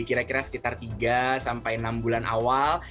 kira kira sekitar tiga sampai enam bulan awal